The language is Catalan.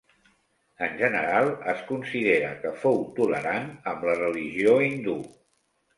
En general es considera que fou tolerant amb la religió hindú.